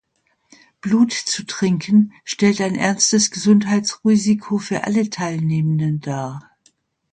Blut zu trinken stellt ein ernstes Gesundheitsrisiko für alle Teilnehmenden dar.